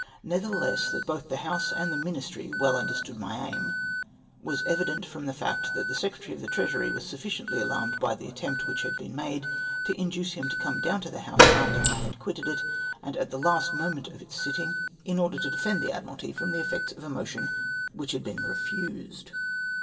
ISTever tlieless, that both the House and the Ministry well understood my aim, was evident from tlie fact, that the Secretary of the Treasury was sufficiently alarmed by the attempt wdiich had been made, to induce him to come down to the House after I had quitted it, and at the last moment of its sitting, in order to defend the Admiralty from the effects of a motion whicli had been refused